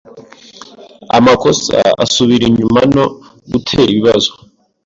amakosa asubira inyumano gutera ibibazo